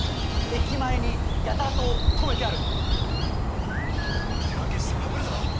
駅前にやたらと停めてある。